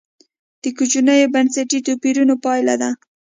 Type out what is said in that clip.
د کوچنیو بنسټي توپیرونو پایله ده.